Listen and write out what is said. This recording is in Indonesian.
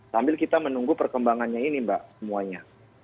sambil kita menunggu perkembangannya ini mbak semuanya